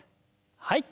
はい。